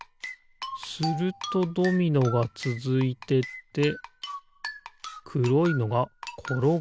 するとドミノがつづいてってくろいのがころがるのかな。